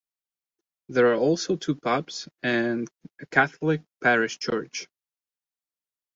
There are also two pubs and a Catholic parish church.